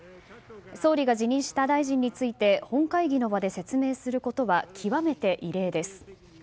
総理が辞任した大臣について本会議の場で説明することは極めて異例です。